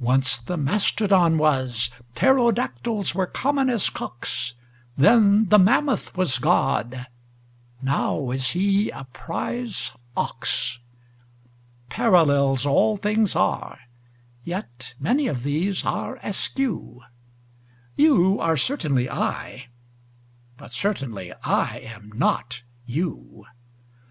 Once the mastodon was: pterodactyls were common as cocks: Then the mammoth was God: now is He a prize ox. Parallels all things are: yet many of these are askew: You are certainly I: but certainly I am not you.